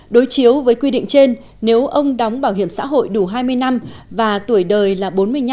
đối chiếu với quy định trên nếu ông đóng bảo hiểm xã hội đủ hai mươi năm và tuổi đời là bốn mươi năm